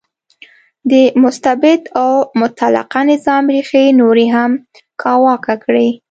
د مستبد او مطلقه نظام ریښې نورې هم کاواکه کړې.